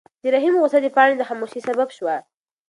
د رحیم غوسه د پاڼې د خاموشۍ سبب شوه.